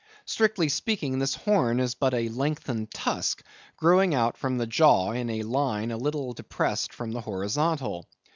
Strictly speaking, this horn is but a lengthened tusk, growing out from the jaw in a line a little depressed from the horizontal.